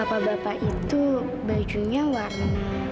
bapak bapak itu bajunya warna